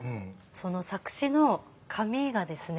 その作詞の紙がですね